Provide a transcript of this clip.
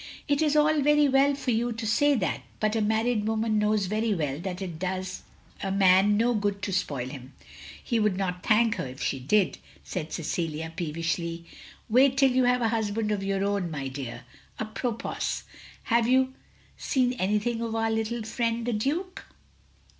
" It is all very well for you to say that, but a married woman knows very well that it does a man no good to spoil him ; he would not thank her if she did," said Cecilia peevishly. "Wait till you have a htisband of your own, my dear. A propos, have you seen anything of our little friend, the Duke?"